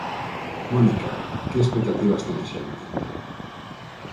Mónica, que expectativas ten a xente.